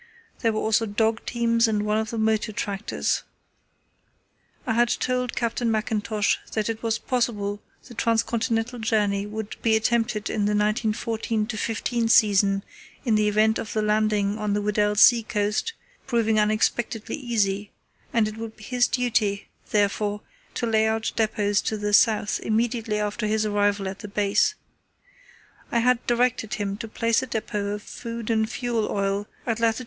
There were also dog teams and one of the motor tractors. I had told Captain Mackintosh that it was possible the transcontinental journey would be attempted in the 1914–15 season in the event of the landing on the Weddell Sea coast proving unexpectedly easy, and it would be his duty, therefore, to lay out depots to the south immediately after his arrival at his base. I had directed him to place a depot of food and fuel oil at lat.